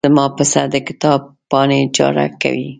زما پسه د کتاب پاڼې چاړه کوي.